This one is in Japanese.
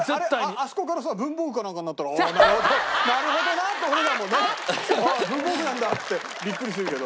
あそこから文房具かなんかになったらなるほどなって俺らもねああ文房具なんだってビックリするけど。